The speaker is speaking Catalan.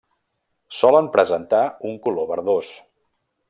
Solen presentar un color verdós.